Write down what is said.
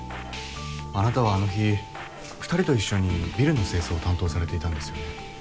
あなたはあの日２人と一緒にビルの清掃を担当されていたんですよね。